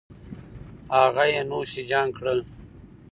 هغه یې نوش جان کړل